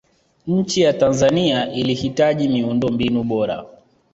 nchi ya tanzania ilihitaji miundombinu bora